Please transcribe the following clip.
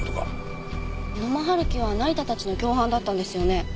野間春樹は成田たちの共犯だったんですよね？